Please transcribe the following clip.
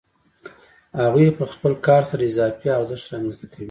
هغوی په خپل کار سره اضافي ارزښت رامنځته کوي